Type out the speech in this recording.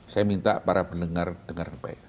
saya minta para pendengar dengar baik